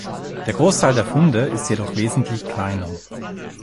Der Großteil der Funde ist jedoch wesentlich kleiner.